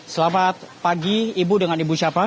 selamat pagi ibu dengan ibu siapa